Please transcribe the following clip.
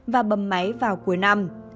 và bầm máy vào cuối năm